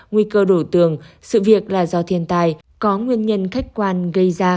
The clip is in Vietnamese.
nguy cơ đổ tường sự việc là do thiền tài có nguyên nhân khách quan gây ra